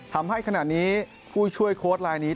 ทำให้ขณะนี้ผู้ช่วยโค้ดลายนี้